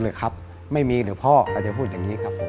เลยครับไม่มีเราพ่ออาจจะพูดอย่างนี้